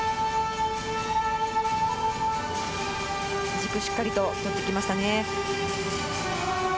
軸をしっかりと取ってきましたね。